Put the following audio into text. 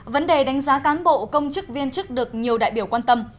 vấn đề đánh giá cán bộ công chức viên chức được nhiều đại biểu quan tâm